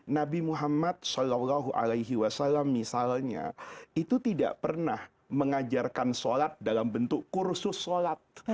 nabi muhammad saw misalnya itu tidak pernah mengajarkan sholat dalam bentuk kursus sholat